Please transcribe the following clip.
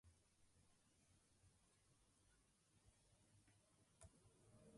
Tudi jaz poznam šalo.